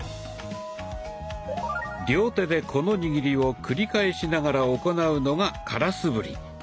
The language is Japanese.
両手でこの握りを繰り返しながら行うのが「空素振り」。